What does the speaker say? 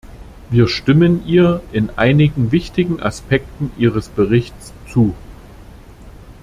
Wir stimmen ihr in einigen wichtigen Aspekten ihres Berichts zu.